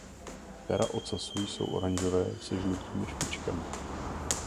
Pera ocasu jsou oranžové se žlutými špičkami.